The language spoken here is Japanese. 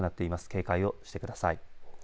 警戒をしてください。